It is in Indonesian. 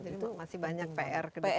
jadi masih banyak pr ke depan